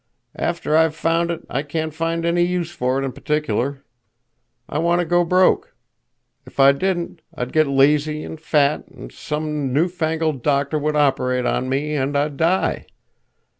After I've found it, I can't find any use for it in particular. I want to go broke. If I didn't, I'd get lazy and fat, an' some newfangled doctor would operate on me, and I'd die.